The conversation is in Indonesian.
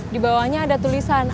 di bawahnya ada tulisan